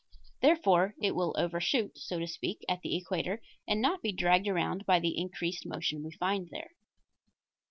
Therefore it will overshoot, so to speak, at the equator, and not be dragged around by the increased motion we find there.